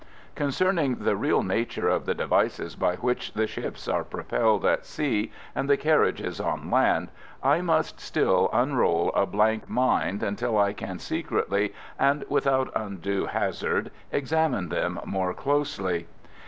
Concerning the real nature of the devices by which the ships are propelled at sea and the carriages on land, I must still unroll a blank mind until I can secretly, and without undue hazard, examine them more closely.